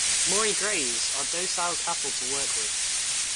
Murray Greys are docile cattle to work with.